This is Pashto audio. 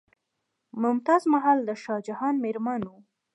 ممتاز محل د شاه جهان میرمن وه.